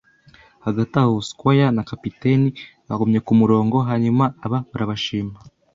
Hagati aho, squire na capitaine bagumye kumurongo, hanyuma aba barashima